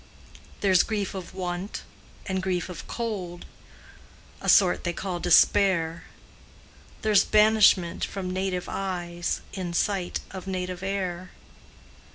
There's grief of want, and grief of cold, A sort they call 'despair;' There's banishment from native eyes, In sight of native air.